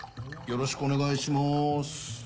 よろしくお願いします。